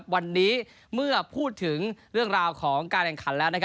วันนี้เมื่อพูดถึงเรื่องราวของการแข่งขันแล้ว